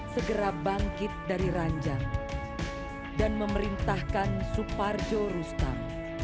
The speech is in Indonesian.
segera bangkit dari ranjang dan memerintahkan suparjo rustam